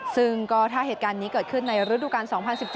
ซึ่งก็ถ้าเหตุการณ์นี้เกิดขึ้นในฤดูกาล๒๐๑๗